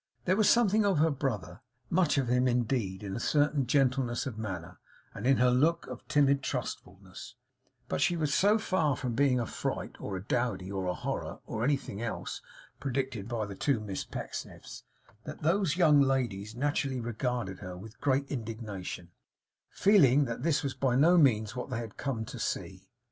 There was something of her brother, much of him indeed, in a certain gentleness of manner, and in her look of timid trustfulness; but she was so far from being a fright, or a dowdy, or a horror, or anything else, predicted by the two Miss Pecksniffs, that those young ladies naturally regarded her with great indignation, feeling that this was by no means what they had come to see.